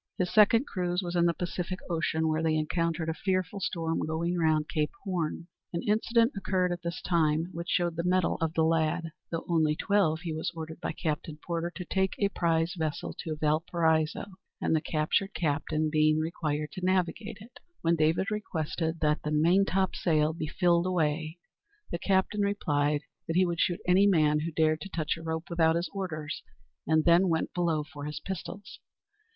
His second cruise was in the Pacific Ocean, where they encountered a fearful storm going round Cape Horn. An incident occurred at this time which showed the mettle of the lad. Though only twelve, he was ordered by Captain Porter to take a prize vessel to Valparaiso, the captured captain being required to navigate it. When David requested that the "maintopsail be filled away," the captain replied that he would shoot any man who dared to touch a rope without his orders, and then went below for his pistols.